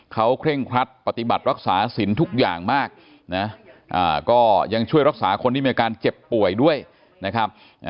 เขาเคร่งครัดปฏิบัติรักษาสินทุกอย่างมากนะก็ยังช่วยรักษาคนที่มีอาการเจ็บป่วยด้วยนะครับ